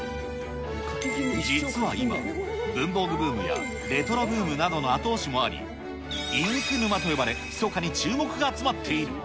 実は今、文房具ブームやレトロブームなどの後押しもあり、インク沼と呼ばれ、ひそかに注目が集まっている。